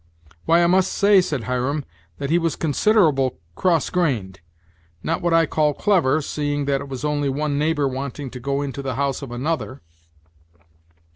"Why, I must say," said Hiram, "that he was considerable cross grained; not what I call clever, seeing that it was only one neighbor wanting to go into the house of another."